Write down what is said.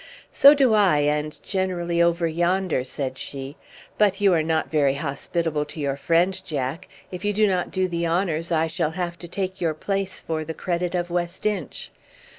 "So do I, and generally over yonder," said she. "But you are not very hospitable to your friend, Jack. If you do not do the honours, I shall have to take your place for the credit of West Inch."